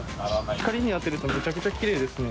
光に当てるとめちゃくちゃきれいですね。